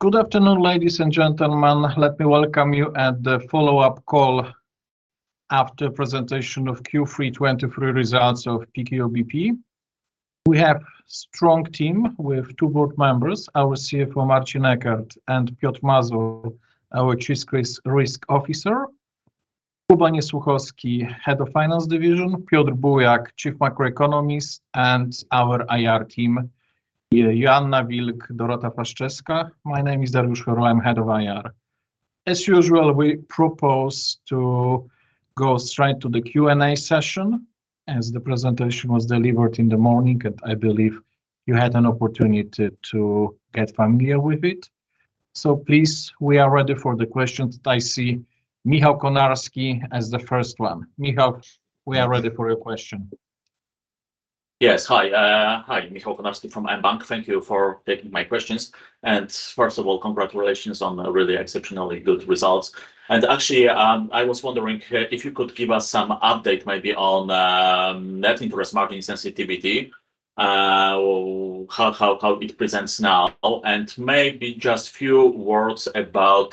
Good afternoon, ladies and gentlemen. Let me welcome you at the follow-up call after presentation of Q3 2023 results of PKO BP. We have strong team with two board members, our CFO, Marcin Eckert, and Piotr Mazur, our Chief Risk Officer, Jakub Niesłuchowski, Head of Finance Division, Piotr Bujak, Chief Macroeconomist, and our IR team, Joanna Wilk, Dorota Pszczółkowska. My name is Dariusz Choryło, I'm Head of IR. As usual, we propose to go straight to the Q&A session, as the presentation was delivered in the morning, and I believe you had an opportunity to get familiar with it. So please, we are ready for the questions. I see Michał Konarski as the first one. Michał, we are ready for your question. Yes. Hi, hi, Michał Konarski from mBank. Thank you for taking my questions. And first of all, congratulations on the really exceptionally good results. And actually, I was wondering if you could give us some update maybe on net interest margin sensitivity, how it presents now, and maybe just few words about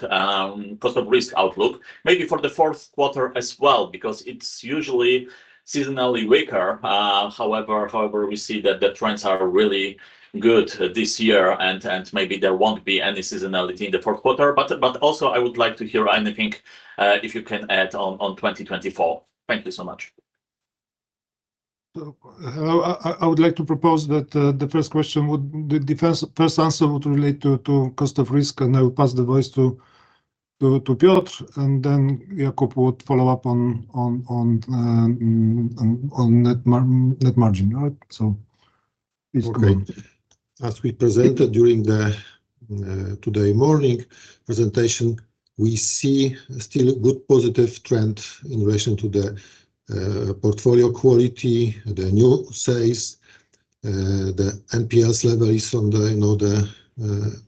cost of risk outlook, maybe for the Q4 as well, because it's usually seasonally weaker. However, we see that the trends are really good this year, and maybe there won't be any seasonality in the Q4. But also I would like to hear anything if you can add on 2024. Thank you so much. So, I would like to propose that the first answer would relate to cost of risk, and I will pass the voice to Piotr, and then Jakub would follow up on net margin. All right? So please, go on. Okay. As we presented during the today morning presentation, we see still good positive trend in relation to the portfolio quality, the new sales. The NPS level is on the, you know, the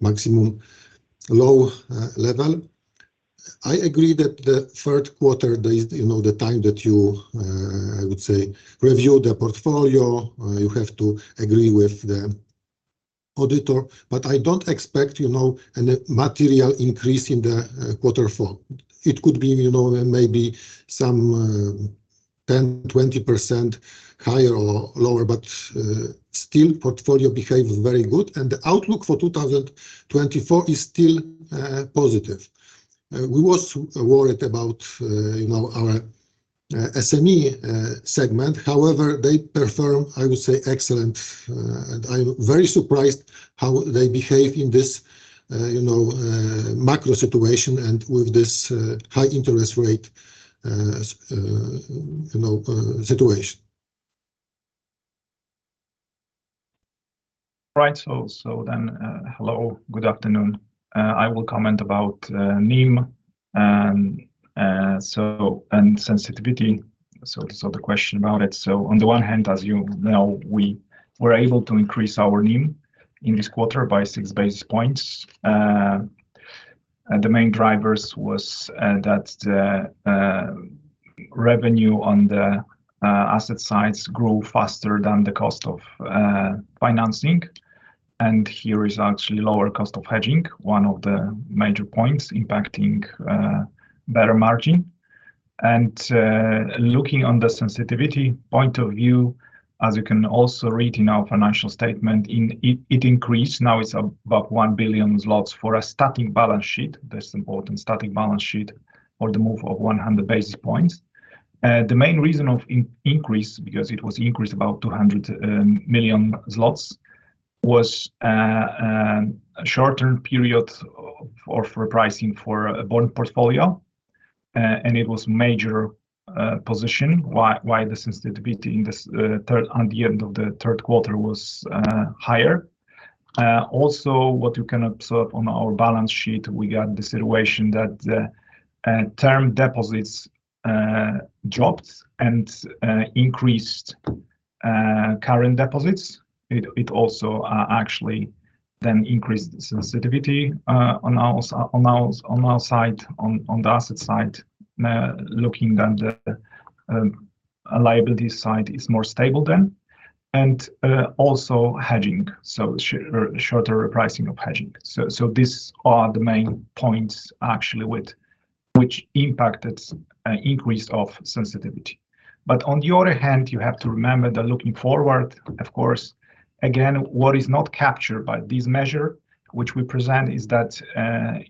maximum low level. I agree that the Q3, the, you know, the time that you, I would say, review the portfolio, you have to agree with the auditor, but I don't expect, you know, any material increase in the quarter four. It could be, you know, maybe some 10-20% higher or lower, but still portfolio behave very good, and the outlook for 2024 is still positive. We was worried about, you know, our SME segment. However, they perform, I would say, excellent. And I'm very surprised how they behave in this, you know, macro situation and with this, high interest rate, you know, situation. Right. So, so then, hello, good afternoon. I will comment about NIM, and so, and sensitivity. So, so the question about it. So on the one hand, as you know, we were able to increase our NIM in this quarter by 6 basis points. And the main drivers was that the revenue on the asset sides grow faster than the cost of financing, and here is actually lower cost of hedging, one of the major points impacting better margin. And looking on the sensitivity point of view, as you can also read in our financial statement, it increased. Now it's about 1 billion zlotys for a static balance sheet. That's important, static balance sheet for the move of 100 basis points. The main reason of increase, because it was increased about 200 million zlotys, was short-term period or for pricing for a bond portfolio, and it was major position, why the sensitivity in this third, on the end of the Q3 was higher. Also, what you can observe on our balance sheet, we got the situation that the term deposits dropped and increased current deposits. It also actually then increased sensitivity on our side, on the asset side. Looking at the liability side is more stable then. Also hedging, so shorter pricing of hedging. So these are the main points actually which impacted an increase of sensitivity. But on the other hand, you have to remember that looking forward, of course, again, what is not captured by this measure, which we present, is that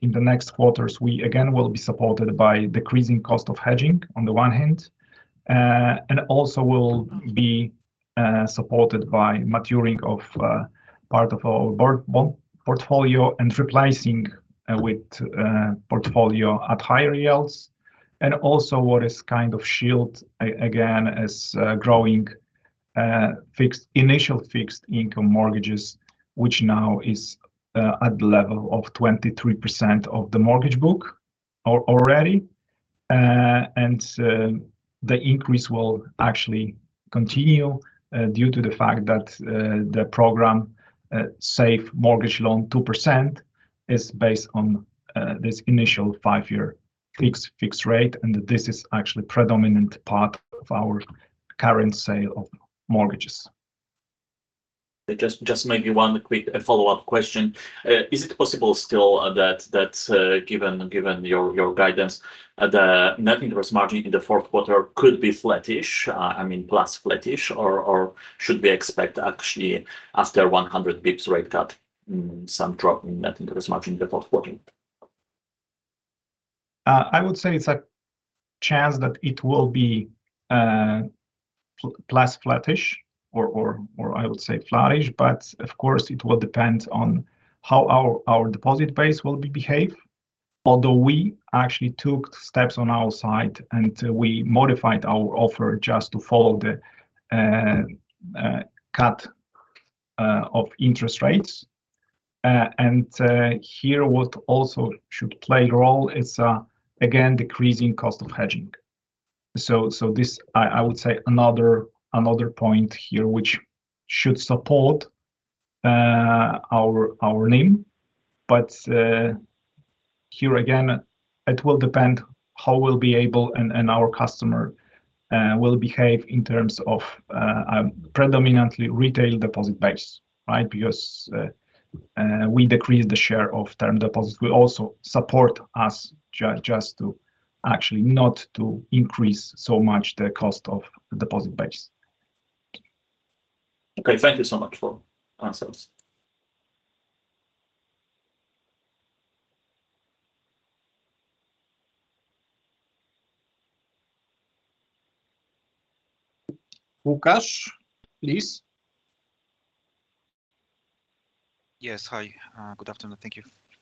in the next quarters, we again will be supported by decreasing cost of hedging on the one hand, and also we'll be supported by maturing of part of our bond portfolio and replacing with portfolio at higher yields. And also, what is kind of a shield again is growing fixed initial fixed income mortgages, which now is at the level of 23% of the mortgage book already. And the increase will actually continue due to the fact that the program, Safe Mortgage Loan 2%, is based on this initial five-year... fixed, fixed rate, and this is actually predominant part of our current sale of mortgages. Just maybe one quick follow-up question. Is it possible still that given your guidance the net interest margin in the Q4 could be flattish? I mean, plus flattish, or should we expect actually after 100 bps rate cut some drop in net interest margin in the Q4? I would say it's a chance that it will be plus flattish or I would say flattish, but of course, it will depend on how our deposit base will behave. Although we actually took steps on our side, and we modified our offer just to follow the cut of interest rates. And here what also should play a role is again decreasing cost of hedging. So this I would say another point here which should support our NIM. But here again, it will depend how we'll be able and our customer will behave in terms of predominantly retail deposit base, right? Because we decreased the share of term deposits will also support us just to actually not to increase so much the cost of the deposit base. Okay, thank you so much for answers. Lukasz, please. Yes. Hi, good afternoon.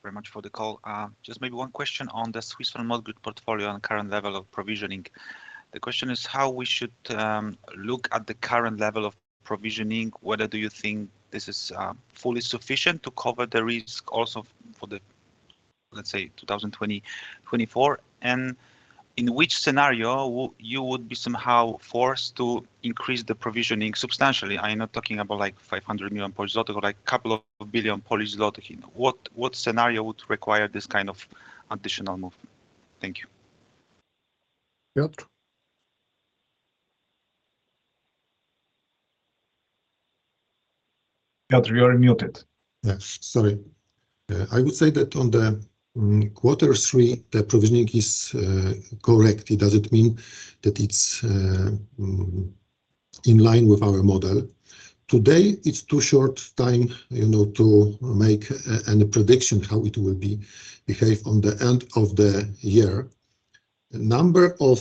Thank you very much for the call. Just maybe one question on the Swiss franc mortgage portfolio and current level of provisioning. The question is how we should look at the current level of provisioning, whether do you think this is fully sufficient to cover the risk also for the, let's say, 2020 to 2024? And in which scenario you would be somehow forced to increase the provisioning substantially? I am not talking about like 500 million Polish zloty or like couple of billion PLN. What, what scenario would require this kind of additional movement? Thank you. Piotr? Piotr, you are muted. Yes, sorry. I would say that on the quarter three, the provisioning is correct. It doesn't mean that it's in line with our model. Today, it's too short time, you know, to make a prediction how it will behave on the end of the year. The number of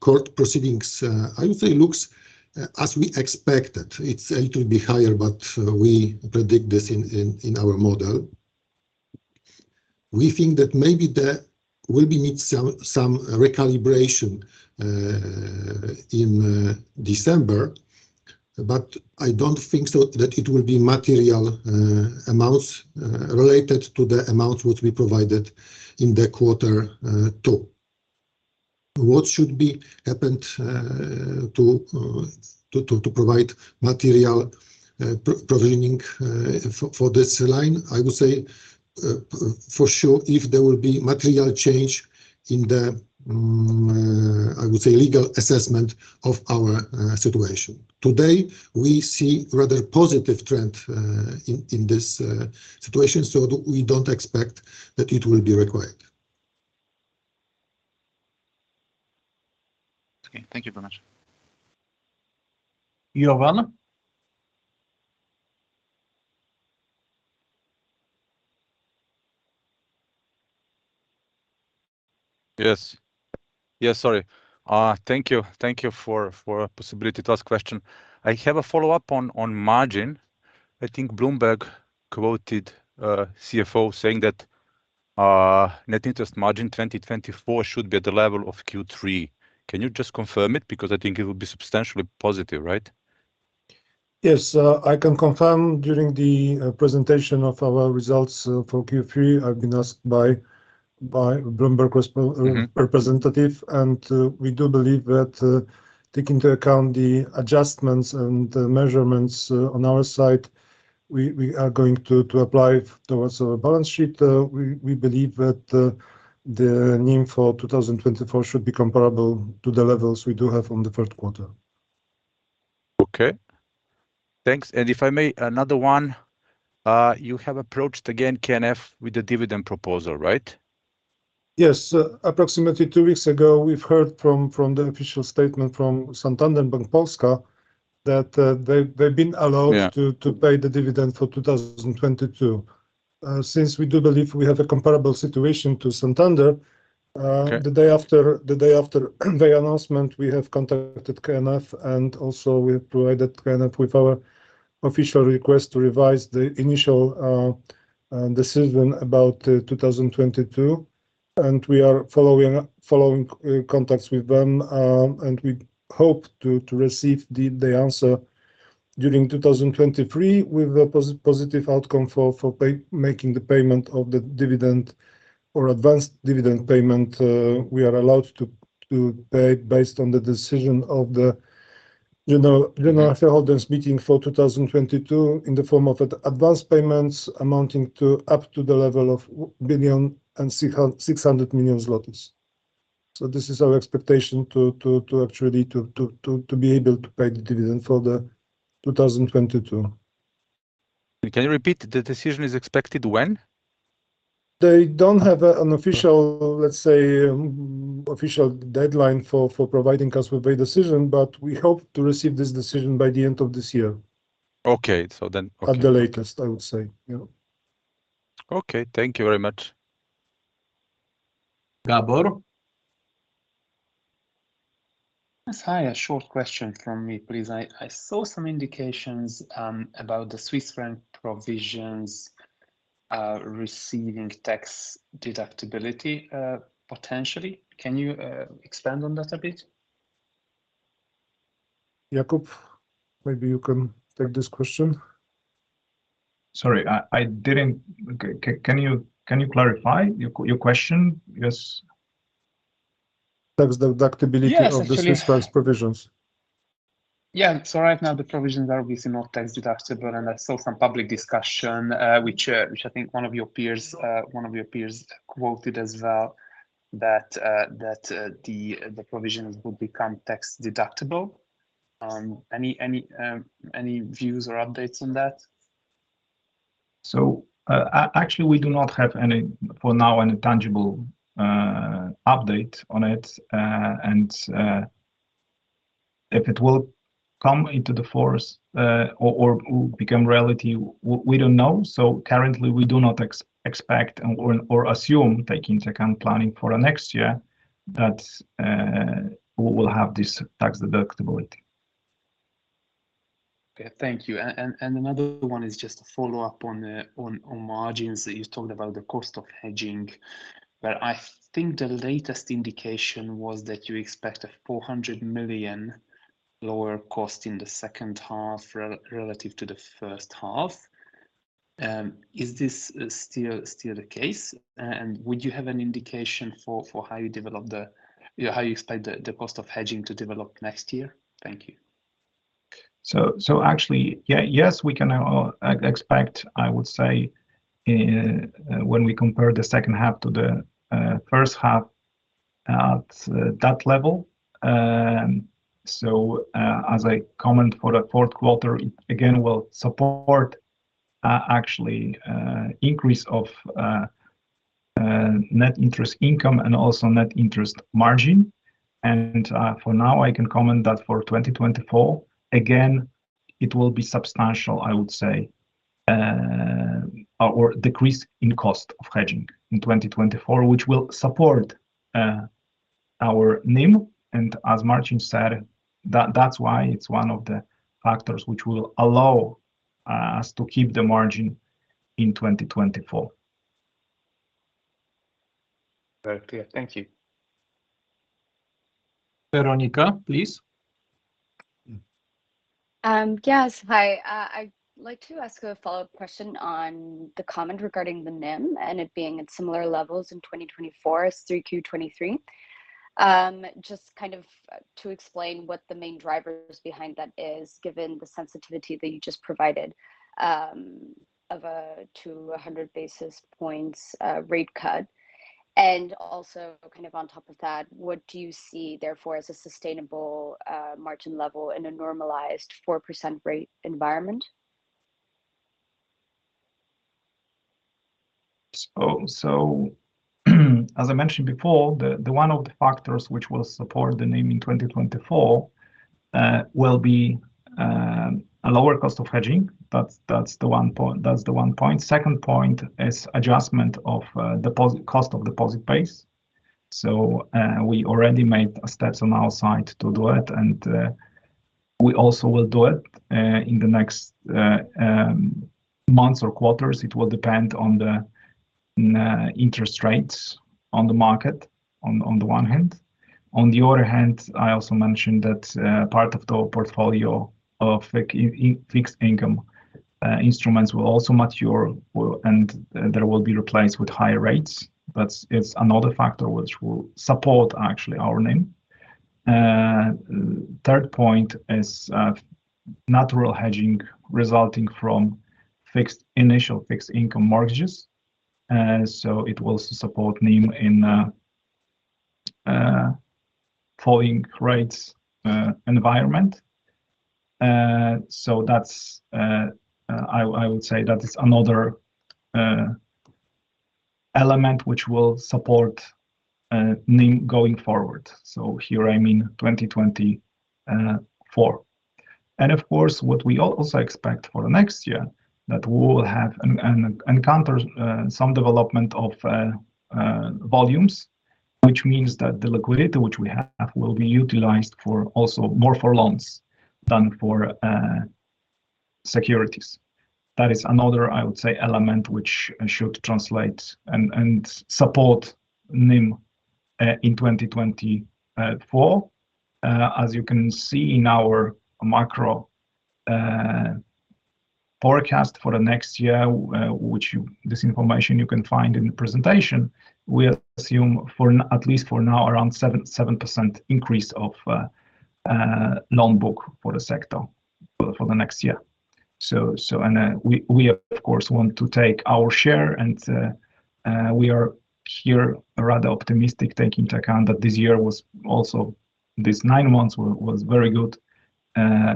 court proceedings, I would say looks as we expected. It's a little bit higher, but we predict this in our model. We think that maybe there will be need some recalibration in December, but I don't think so, that it will be material amounts related to the amounts which we provided in the quarter two. What should be happened to provide material provisioning for this line? I would say, for sure, if there will be material change in the, I would say, legal assessment of our situation. Today, we see rather a positive trend in this situation, so we don't expect that it will be required. Okay. Thank you very much. Jovan? Yes. Yes, sorry. Thank you. Thank you for, for possibility to ask question. I have a follow-up on margin. I think Bloomberg quoted a CFO saying that net interest margin 2024 should be at the level of Q3. Can you just confirm it? Because I think it will be substantially positive, right? Yes. I can confirm during the presentation of our results for Q3, I've been asked by Bloomberg's rep- Mm-hmm... representative, and we do believe that, taking into account the adjustments and the measurements on our side, we are going to apply towards our balance sheet. We believe that the NIM for 2024 should be comparable to the levels we do have on the Q3. Okay. Thanks. And if I may, another one. You have approached again KNF with the dividend proposal, right? Yes. Approximately two weeks ago, we've heard from the official statement from Santander Bank Polska that they've been allowed- Yeah... to pay the dividend for 2022. Since we do believe we have a comparable situation to Santander- Okay... the day after the announcement, we have contacted KNF, and also we provided KNF with our official request to revise the initial decision about 2022. And we are following contacts with them, and we hope to receive the answer during 2023, with a positive outcome for making the payment of the dividend or advanced dividend payment. We are allowed to pay based on the decision of the general shareholders meeting for 2022 in the form of advanced payments amounting to up to the level of 1.6 billion. So this is our expectation to actually be able to pay the dividend for 2022. Can you repeat? The decision is expected when? They don't have an official, let's say, official deadline for providing us with the decision, but we hope to receive this decision by the end of this year. Okay. So then, okay. At the latest, I would say, you know. Okay, thank you very much. Gabor? Yes, hi. A short question from me, please. I, I saw some indications about the Swiss franc provisions receiving tax deductibility potentially. Can you expand on that a bit? Jakub, maybe you can take this question. Sorry, can you clarify your question? Yes. Tax deductibility- Yes, actually... of the Swiss franc provisions. Yeah. So right now, the provisions are obviously not tax deductible, and I saw some public discussion, which I think one of your peers quoted as well, that the provisions will become tax deductible. Any views or updates on that? So, actually, we do not have any, for now, tangible update on it. And if it will come into force, or become reality, we don't know. So currently, we do not expect or assume, taking into account planning for the next year, that we will have this tax deductibility. Okay, thank you. And another one is just a follow-up on the margins, that you talked about the cost of hedging. But I think the latest indication was that you expect a 400 million lower cost in the second half relative to the first half. Is this still the case? And would you have an indication for how you expect the cost of hedging to develop next year? Thank you. So, actually, yeah, yes, we can expect, I would say, when we compare the second half to the first half at that level. So, as I comment for the Q4, again, will support actually increase of net interest income and also net interest margin. And, for now, I can comment that for 2024, again, it will be substantial, I would say, or decrease in cost of hedging in 2024, which will support our NIM. And as Marcin said, that's why it's one of the factors which will allow us to keep the margin in 2024. Very clear. Thank you. Veronica, please. Yes. Hi, I'd like to ask a follow-up question on the comment regarding the NIM and it being at similar levels in 2024 as through Q 2023. Just kind of to explain what the main drivers behind that is, given the sensitivity that you just provided, of a to a 100 basis points rate cut. Also, kind of on top of that, what do you see therefore as a sustainable margin level in a normalized 4% rate environment? As I mentioned before, one of the factors which will support the NIM in 2024 will be a lower cost of hedging. That's the one point. That's the one point. Second point is adjustment of deposit cost of deposit base. We already made steps on our side to do it, and we also will do it in the next months or quarters. It will depend on the interest rates on the market, on the one hand. On the other hand, I also mentioned that part of the portfolio of fixed income instruments will also mature, and they will be replaced with higher rates. That's. It's another factor which will support actually our NIM. Third point is natural hedging resulting from fixed initial fixed income mortgages. So it will support NIM in a falling rates environment. So that's, I would say that is another element which will support NIM going forward. So here, I mean 2024. And of course, what we also expect for the next year, that we will have an encounter some development of volumes, which means that the liquidity which we have will be utilized for also more for loans than for securities. That is another, I would say, element which should translate and support NIM in 2024. As you can see in our macro... Forecast for the next year, which—this information you can find in the presentation—we assume, at least for now, around 7% increase of the loan book for the sector for the next year. So and we of course want to take our share, and we are here rather optimistic, taking into account that this year was also these nine months were very good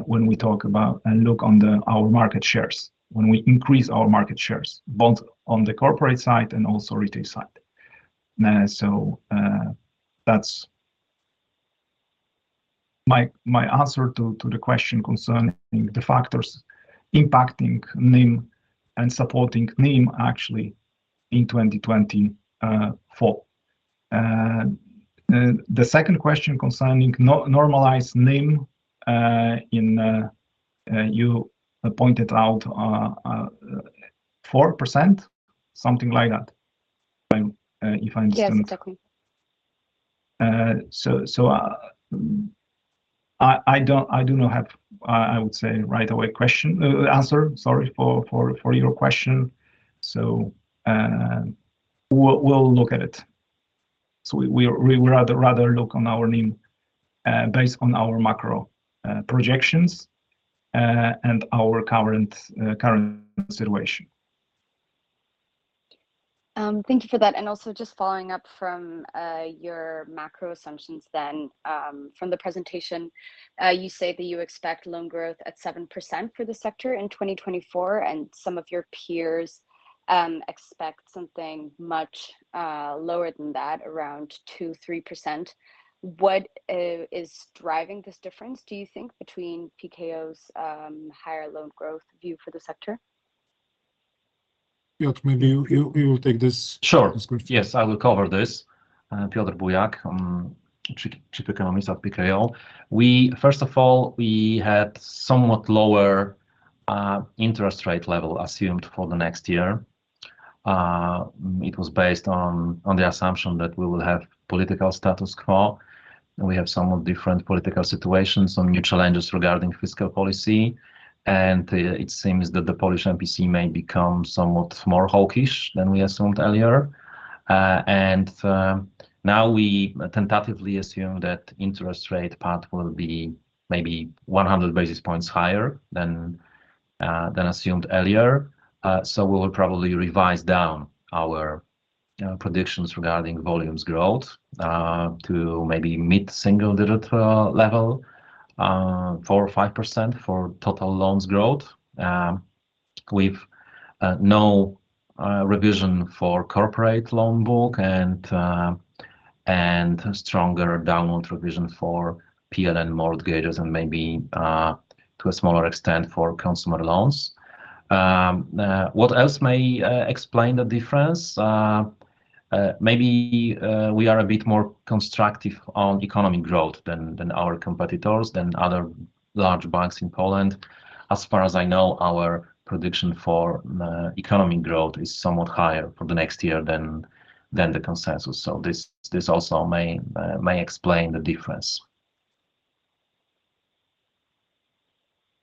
when we talk about and look on our market shares. When we increase our market shares, both on the corporate side and also retail side. So that's my answer to the question concerning the factors impacting NIM and supporting NIM actually in 2024. The second question concerning normalized NIM, you pointed out 4%, something like that? If I understand. Yes, exactly. So, I do not have, I would say right away question answer, sorry, for your question. So, we'll look at it. So we would rather look on our NIM based on our macro projections and our current situation. Thank you for that. And also just following up from your macro assumptions then, from the presentation, you say that you expect loan growth at 7% for the sector in 2024, and some of your peers expect something much lower than that, around 2%-3%. What is driving this difference, do you think, between PKO's higher loan growth view for the sector? Piotr, maybe you take this- Sure. -this question. Yes, I will cover this. Piotr Bujak, Chief Economist at PKO. We, first of all, we had somewhat lower interest rate level assumed for the next year. It was based on the assumption that we will have political status quo, and we have somewhat different political situations, some new challenges regarding fiscal policy. It seems that the Polish NBP may become somewhat more hawkish than we assumed earlier. Now we tentatively assume that interest rate path will be maybe 100 basis points higher than than assumed earlier. So we will probably revise down our predictions regarding volumes growth to maybe mid-single-digit level, 4 or 5% for total loans growth. With no revision for corporate loan book and stronger downward revision for PLN mortgagors and maybe to a smaller extent for consumer loans. What else may explain the difference? Maybe we are a bit more constructive on economic growth than our competitors, other large banks in Poland. As far as I know, our prediction for economic growth is somewhat higher for the next year than the consensus. So this also may explain the difference.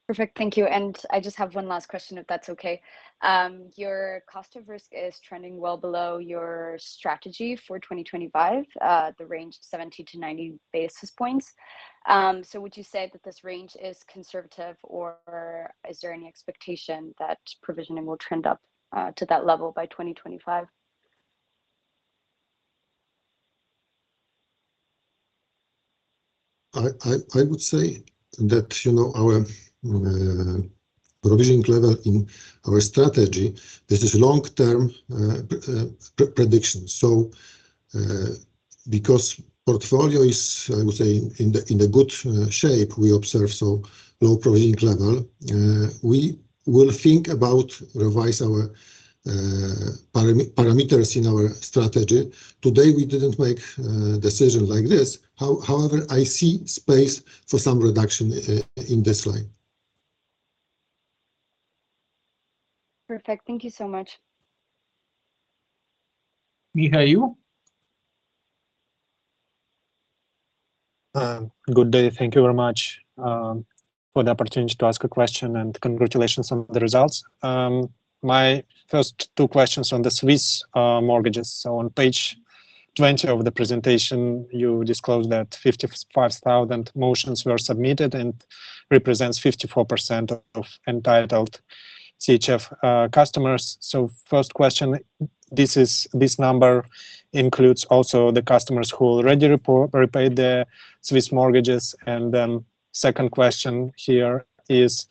Perfect. Thank you. I just have one last question, if that's okay. Your cost of risk is trending well below your strategy for 2025, the range 70-90 basis points. So would you say that this range is conservative, or is there any expectation that provisioning will trend up to that level by 2025? I would say that, you know, our provisioning level in our strategy, this is long-term prediction. So, because portfolio is, I would say, in a good shape, we observe so low provisioning level, we will think about revise our parameters in our strategy. Today, we didn't make decision like this, however, I see space for some reduction in this line. Perfect. Thank you so much. Mihail? Good day. Thank you very much for the opportunity to ask a question, and congratulations on the results. My first two questions on the Swiss mortgages. So on page 20 of the presentation, you disclosed that 55,000 motions were submitted and represents 54% of entitled CHF customers. So first question, this number includes also the customers who already repaid their Swiss mortgages? And then second question here is,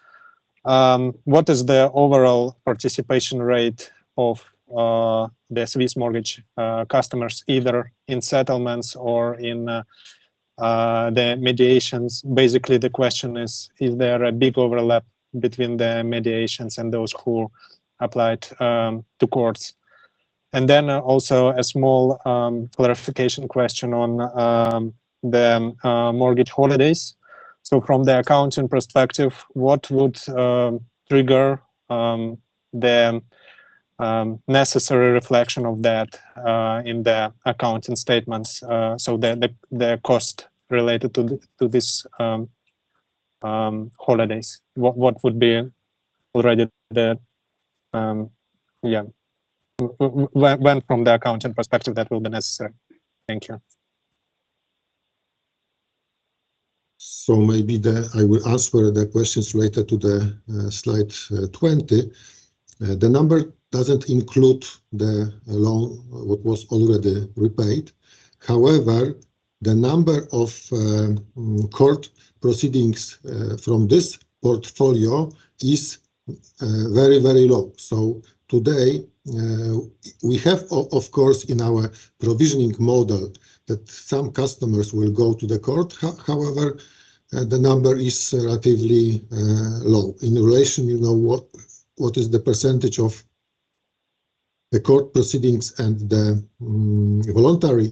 what is the overall participation rate of the Swiss mortgage customers, either in settlements or in the mediations? Basically, the question is, is there a big overlap between the mediations and those who applied to courts? And then also a small clarification question on the mortgage holidays. So from the accounting perspective, what would trigger the-... Necessary reflection of that in the accounting statements, so the cost related to this holidays? What would be already the? When, from the accounting perspective, that will be necessary? Thank you. Maybe I will answer the questions related to the slide 20. The number doesn't include the loan what was already repaid. However, the number of court proceedings from this portfolio is very, very low. So today we have, of course, in our provisioning model, that some customers will go to the court. However, the number is relatively low. In relation, you know, what is the percentage of the court proceedings and the voluntary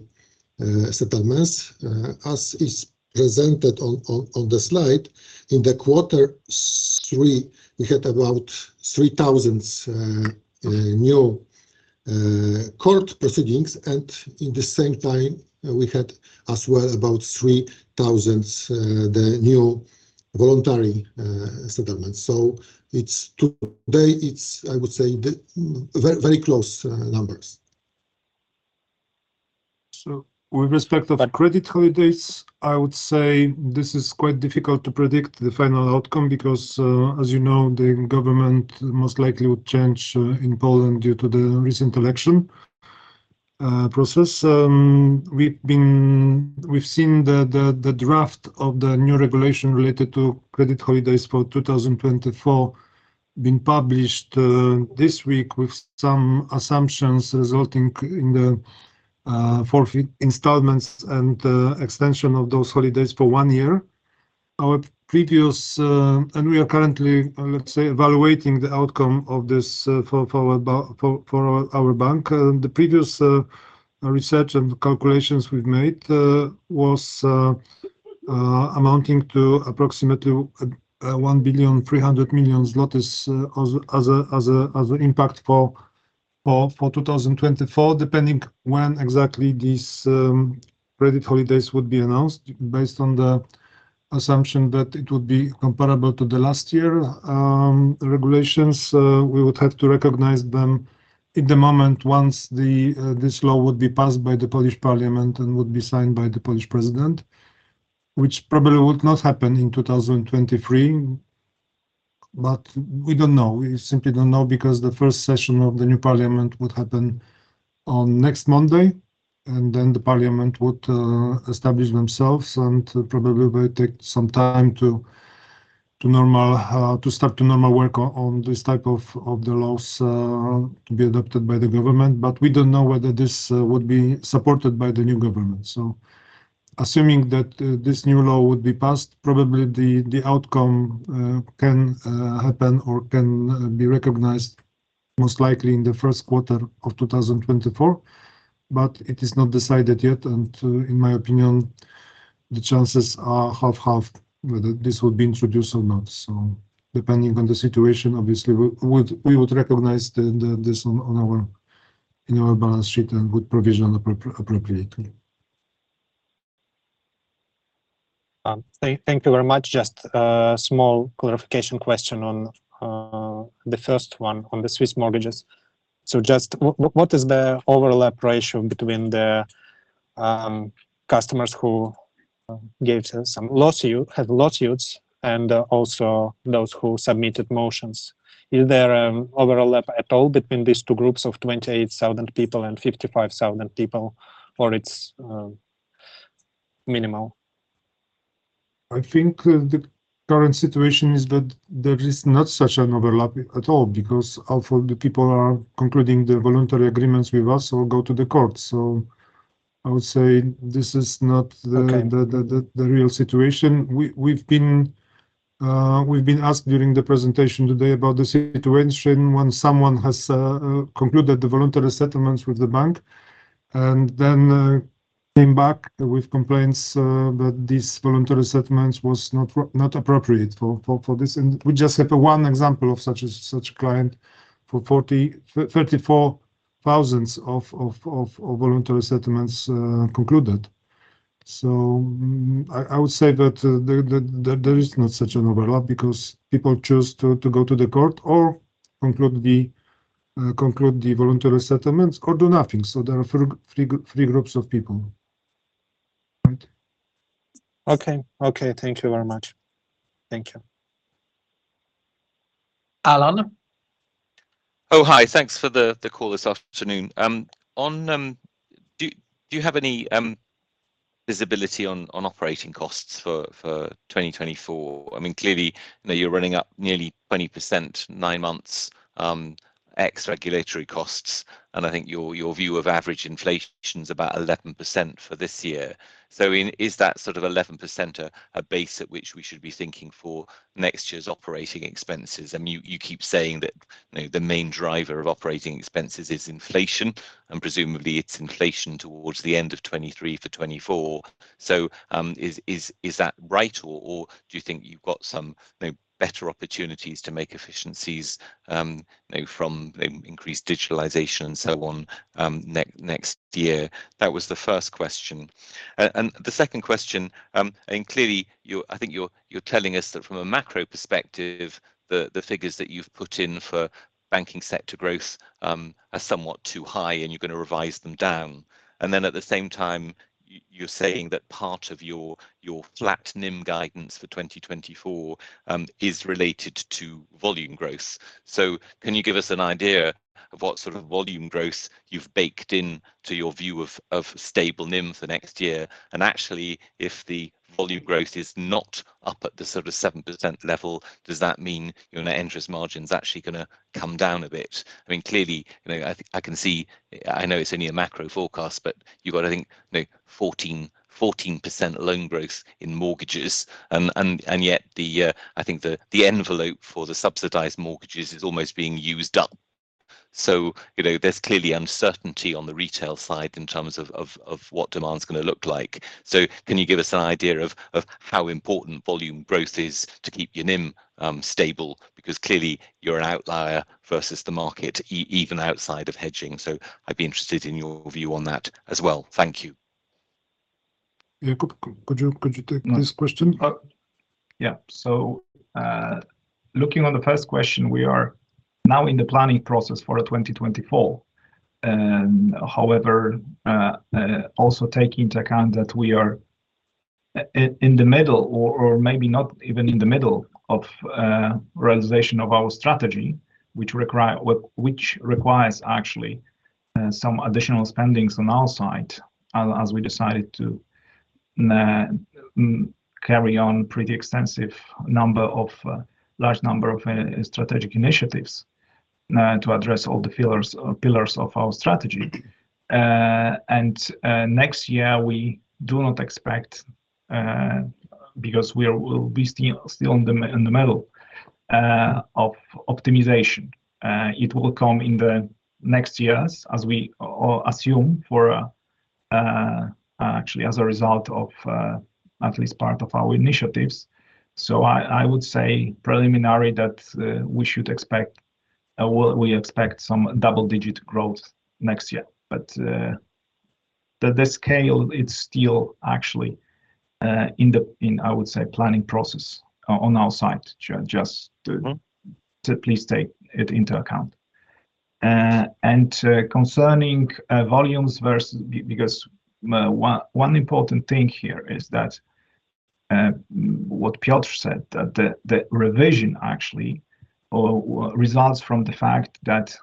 settlements as is presented on the slide, in quarter three, we had about 3,000 new court proceedings, and in the same time, we had as well about 3,000 the new voluntary settlements. So it's... today, it's, I would say, the very close numbers. So with respect to the credit holidays, I would say this is quite difficult to predict the final outcome, because, as you know, the government most likely would change in Poland due to the recent election process. We've seen the draft of the new regulation related to credit holidays for 2024 been published this week with some assumptions resulting in the forfeit installments and extension of those holidays for one year. Our previous... And we are currently, let's say, evaluating the outcome of this for our bank. The previous research and calculations we've made was amounting to approximately 1.3 billion as an impact for 2024, depending when exactly these credit holidays would be announced. Based on the assumption that it would be comparable to the last year regulations, we would have to recognize them in the moment once this law would be passed by the Polish parliament and would be signed by the Polish president, which probably would not happen in 2023. But we don't know. We simply don't know, because the first session of the new parliament would happen on next Monday, and then the parliament would establish themselves, and probably will take some time to normal, to start to normal work on this type of the laws to be adopted by the government. But we don't know whether this would be supported by the new government. So assuming that this new law would be passed, probably the outcome can happen or can be recognized most likely in the Q1 of 2024, but it is not decided yet, and in my opinion, the chances are 50/50, whether this would be introduced or not. So depending on the situation, obviously, we would recognize this on our balance sheet and would provision appropriately. Thank you very much. Just a small clarification question on the first one, on the Swiss mortgages. So just what is the overlap ratio between the customers who gave some lawsuits, had lawsuits, and also those who submitted motions? Is there overlap at all between these two groups of 28,000 people and 55,000 people, or it's minimal? I think the current situation is that there is not such an overlap at all, because all of the people are concluding the voluntary agreements with us or go to the court. So I would say this is not the- Okay... the real situation. We've been asked during the presentation today about the situation when someone has concluded the voluntary settlements with the bank and then came back with complaints that this voluntary settlement was not appropriate for this. And we just have one example of such a client for 34,000 voluntary settlements concluded. So I would say that there is not such an overlap because people choose to go to the court or conclude the voluntary settlements or do nothing. So there are three groups of people. Okay. Okay, thank you very much. Thank you. Alan? Oh, hi. Thanks for the call this afternoon. On, do you have any visibility on operating costs for 2024? I mean, clearly, you know, you're running up nearly 20%, nine months, ex regulatory costs, and I think your view of average inflation is about 11% for this year. So, I mean, is that sort of 11% a base at which we should be thinking for next year's operating expenses? I mean, you keep saying that, you know, the main driver of operating expenses is inflation, and presumably it's inflation towards the end of 2023 for 2024. So, is that right, or do you think you've got some, you know, better opportunities to make efficiencies, you know, from increased digitalization and so on, next year? That was the first question. And the second question, and clearly, I think you're, you're telling us that from a macro perspective, the, the figures that you've put in for banking sector growth, are somewhat too high, and you're going to revise them down. And then at the same time, you're saying that part of your, your flat NIM guidance for 2024, is related to volume growth. So can you give us an idea of what sort of volume growth you've baked in to your view of, of stable NIM for next year? And actually, if the volume growth is not up at the sort of 7% level, does that mean your net interest margin is actually gonna come down a bit? I mean, clearly, you know, I can see, I know it's only a macro forecast, but you've got, I think, you know, 14% loan growth in mortgages, and yet, I think the envelope for the subsidized mortgages is almost being used up. So, you know, there's clearly uncertainty on the retail side in terms of what demand's gonna look like. So can you give us an idea of how important volume growth is to keep your NIM stable? Because clearly, you're an outlier versus the market, even outside of hedging. So I'd be interested in your view on that as well. Thank you. Yeah. Could you take this question? Yeah. So, looking on the first question, we are now in the planning process for 2024. However, also take into account that we are in the middle, or maybe not even in the middle of realization of our strategy, which requires actually some additional spendings on our side, as we decided to carry on pretty extensive number of large number of strategic initiatives to address all the pillars of our strategy. And next year, we do not expect, because we'll be still in the middle of optimization. It will come in the next years, as we all assume, actually, as a result of at least part of our initiatives. So I would say preliminarily that we expect some double-digit growth next year. But the scale, it's still actually in the planning process on our side. Just to- Mm-hmm... to please take it into account. Concerning volumes versus... because one important thing here is that what Piotr said, that the revision actually results from the fact that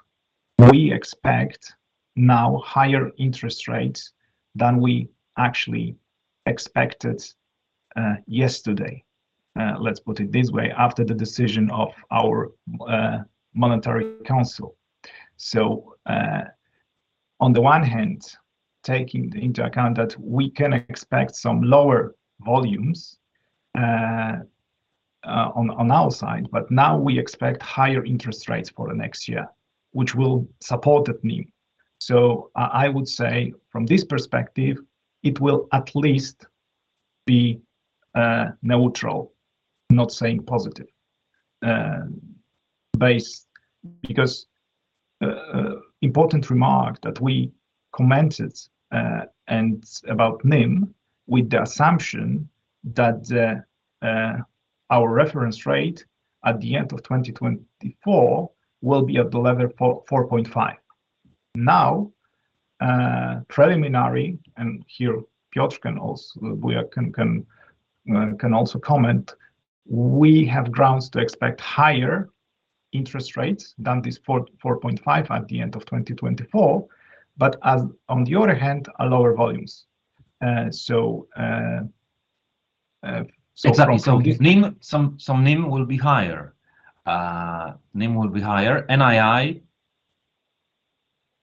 we expect now higher interest rates than we actually expected yesterday, let's put it this way, after the decision of our monetary council. So on the one hand, taking into account that we can expect some lower volumes on our side, but now we expect higher interest rates for the next year, which will support the NIM. So I would say from this perspective, it will at least be neutral, not saying positive. Because important remark that we commented and about NIM, with the assumption that our reference rate at the end of 2024 will be at the level 4-4.5. Now, preliminary, and here, Piotr can also... We can also comment, we have grounds to expect higher interest rates than this 4-4.5 at the end of 2024, but as on the other hand, a lower volumes. So- Exactly. So NIM will be higher. NIM will be higher, NII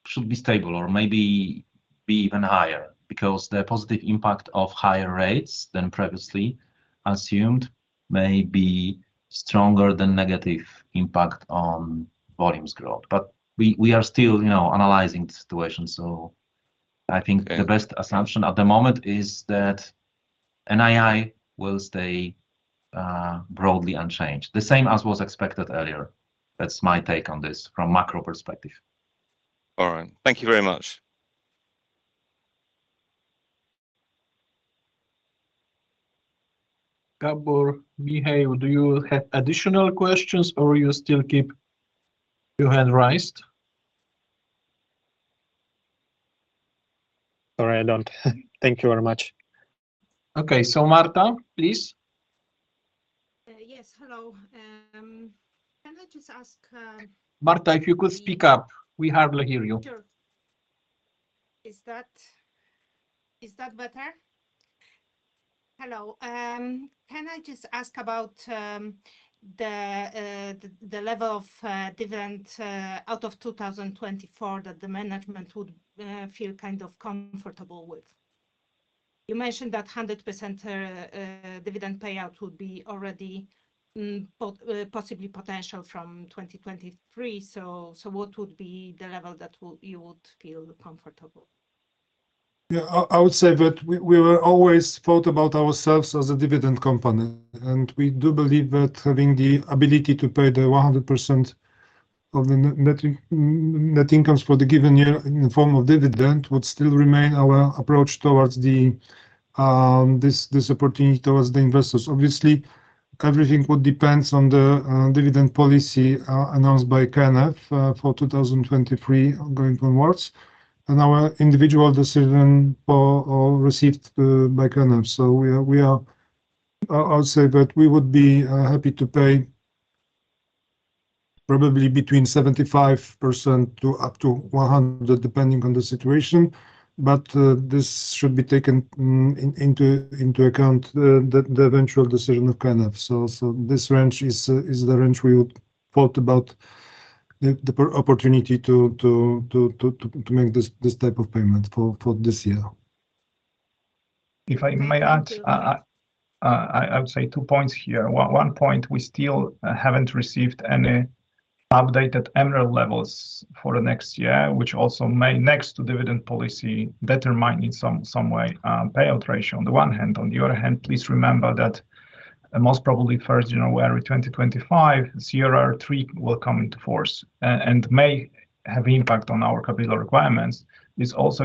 should be stable or maybe be even higher, because the positive impact of higher rates than previously assumed may be stronger than negative impact on volumes growth. But we are still, you know, analyzing the situation, so- Okay... I think the best assumption at the moment is that NII will stay broadly unchanged. The same as was expected earlier. That's my take on this from macro perspective. All right. Thank you very much. Gabor, Mihael, do you have additional questions or you still keep your hand raised? Sorry, I don't. Thank you very much. Okay. Marta, please. Yes, hello. Can I just ask, Marta, if you could speak up, we hardly hear you. Sure. Is that better? Hello. Can I just ask about the level of dividend out of 2024 that the management would feel kind of comfortable with? You mentioned that 100% dividend payout would be already possibly potential from 2023. So what would be the level that you would feel comfortable?... Yeah, I would say that we were always thought about ourselves as a dividend company, and we do believe that having the ability to pay the 100% of the net net incomes for the given year in the form of dividend would still remain our approach towards this this opportunity towards the investors. Obviously, everything would depends on the dividend policy announced by KNF for 2023 going onwards, and our individual decision for or received by KNF. So we are. I would say that we would be happy to pay probably between 75% to up to 100, depending on the situation, but this should be taken into account, the eventual decision of KNF. So this range is the range we would thought about the opportunity to make this type of payment for this year. If I may add, I would say two points here. One point, we still haven't received any updated MREL levels for the next year, which also may next to dividend policy determine in some way payout ratio on the one hand. On the other hand, please remember that, most probably January 1, 2025, CRR3 will come into force and may have impact on our capital requirements. This also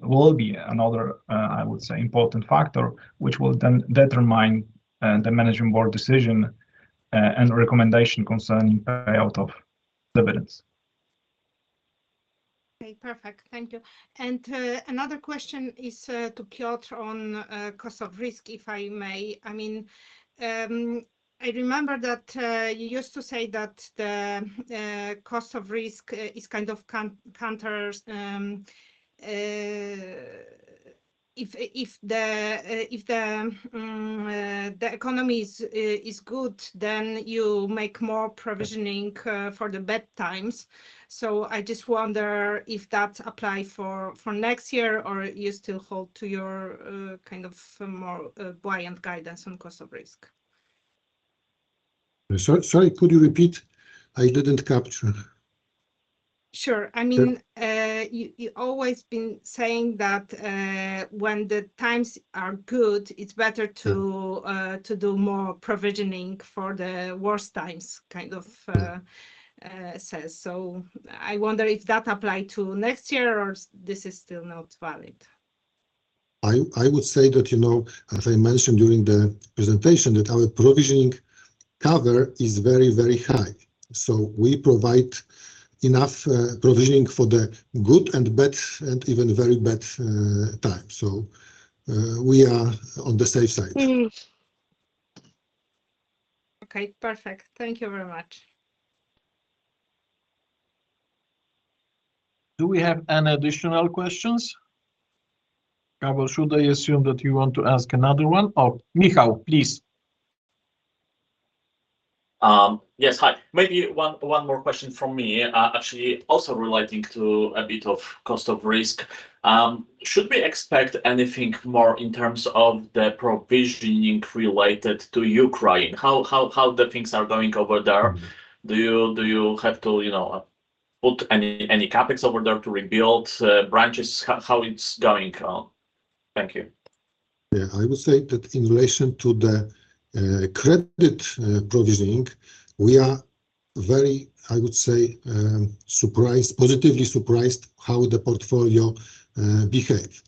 will be another, I would say, important factor, which will then determine the management board decision and recommendation concerning payout of dividends. Okay, perfect. Thank you. And, another question is to Piotr on cost of risk, if I may. I mean, I remember that you used to say that the cost of risk is kind of counters. If the economy is good, then you make more provisioning for the bad times. So I just wonder if that apply for next year, or you still hold to your kind of more buoyant guidance on cost of risk? Sorry, sorry, could you repeat? I didn't capture. Sure. Yeah. I mean, you always been saying that, when the times are good, it's better to- Yeah... to do more provisioning for the worse times, kind of, Yeah Says. So I wonder if that apply to next year, or this is still not valid? I would say that, you know, as I mentioned during the presentation, that our provisioning cover is very, very high. So we provide enough provisioning for the good and bad, and even very bad times. So, we are on the safe side. Mm. Okay, perfect. Thank you very much. Do we have any additional questions? Or should I assume that you want to ask another one? Oh, Michał, please. Yes. Hi. Maybe one more question from me, actually also relating to a bit of cost of risk. Should we expect anything more in terms of the provisioning related to Ukraine? How the things are going over there? Do you have to, you know, put any CapEx over there to rebuild branches? How it's going? Thank you. Yeah. I would say that in relation to the credit provisioning, we are very, I would say, surprised, positively surprised, how the portfolio behave.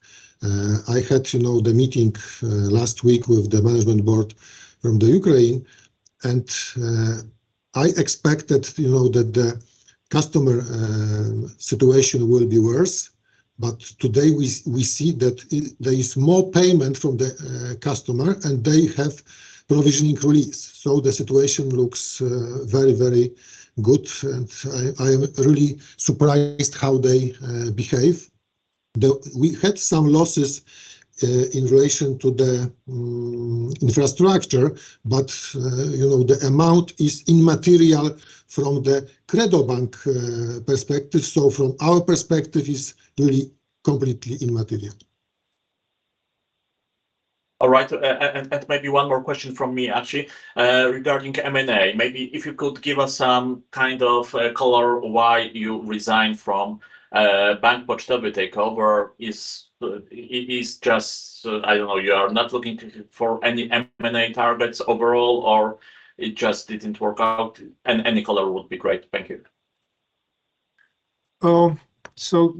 I had, you know, the meeting last week with the management board from Ukraine, and I expected, you know, that the customer situation will be worse, but today we see that there is more payment from the customer, and they have provisioning release. So the situation looks very, very good, and I am really surprised how they behave. We had some losses in relation to the infrastructure, but you know, the amount is immaterial from the KredoBank perspective. So from our perspective, it's really completely immaterial. All right. And maybe one more question from me, actually, regarding M&A. Maybe if you could give us some kind of color why you resigned from Bank Pocztowy takeover. Is it just... I don't know, you are not looking for any M&A targets overall, or it just didn't work out? Any color would be great. Thank you. So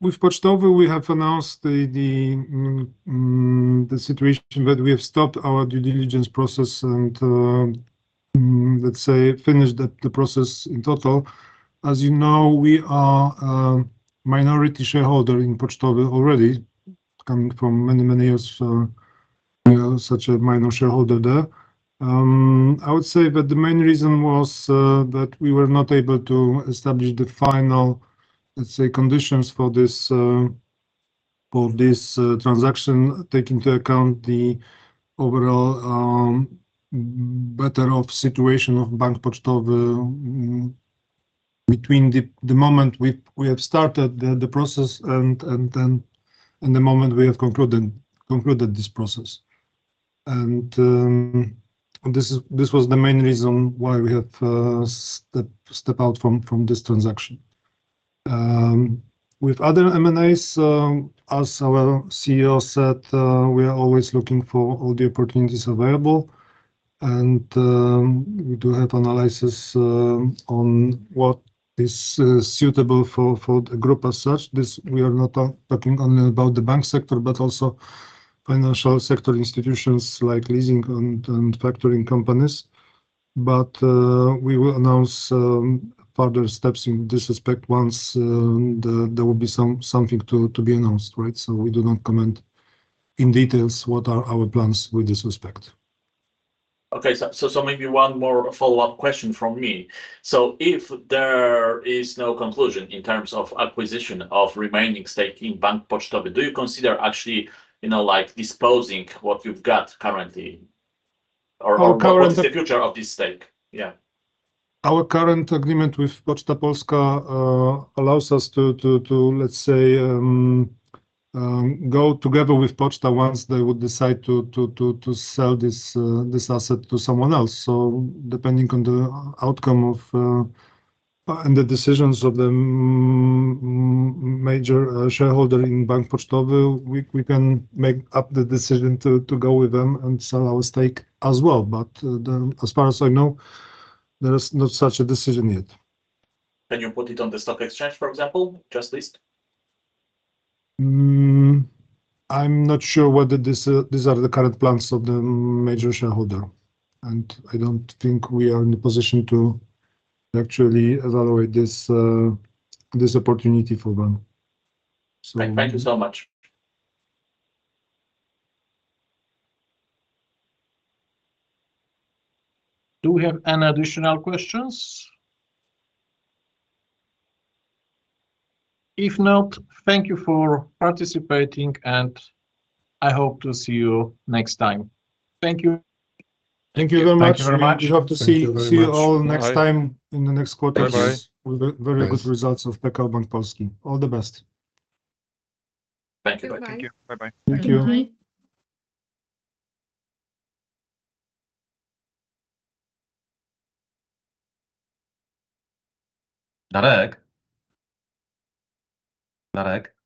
with Pocztowy, we have announced the situation that we have stopped our due diligence process and, let's say, finished the process in total. As you know, we are minority shareholder in Pocztowy already, coming from many years, you know, such a minor shareholder there. I would say that the main reason was that we were not able to establish the final, let's say, conditions for this transaction, take into account the overall better-off situation of Bank Pocztowy, between the moment we have started the process and the moment we have concluded this process. And this is, this was the main reason why we have stepped out from this transaction. With other M&As, as our CEO said, we are always looking for all the opportunities available, and we do have analysis on what is suitable for the group as such. This, we are not talking only about the bank sector, but also financial sector institutions like leasing and factoring companies. But, we will announce further steps in this respect once there will be something to be announced, right? So we do not comment in details what are our plans with this respect. Okay, so maybe one more follow-up question from me. So if there is no conclusion in terms of acquisition of remaining stake in Bank Pocztowy, do you consider actually, you know, like disposing what you've got currently? Or- Our current- What's the future of this stake? Yeah. Our current agreement with Poczta Polska allows us to, let's say, go together with Poczta once they would decide to sell this asset to someone else. So depending on the outcome of and the decisions of the major shareholder in Bank Pocztowy, we can make up the decision to go with them and sell our stake as well. But as far as I know, there is not such a decision yet. Can you put it on the stock exchange, for example, just list? I'm not sure whether this, these are the current plans of the major shareholder, and I don't think we are in a position to actually evaluate this, this opportunity for them. So- Thank you so much. Do we have any additional questions? If not, thank you for participating, and I hope to see you next time. Thank you. Thank you very much. Thank you very much. We hope to see- Thank you very much.... see you all next time in the next quarter. Bye-bye... with the very good results of PKO Bank Polski. All the best. Thank you. Bye. Thank you. Bye-bye. Thank you. Bye. Marek? Marek?